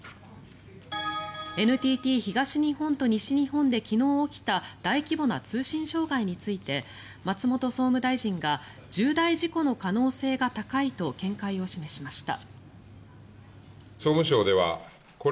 ＮＴＴ東日本と西日本で昨日起きた大規模な通信障害について松本総務大臣が重大事故の可能性が高いと見解を示しました。